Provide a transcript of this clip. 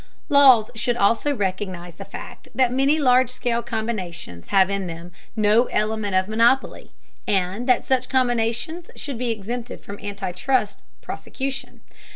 Laws should also recognize the fact that many large scale combinations have in them no element of monopoly, and that such combinations should be exempted from anti trust prosecution.